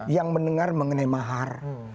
yang mendengar mengenai mahar